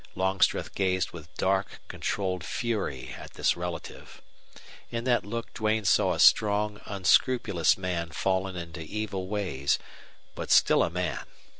Longstreth gazed with dark, controlled fury at this relative. In that look Duane saw a strong, unscrupulous man fallen into evil ways, but still a man.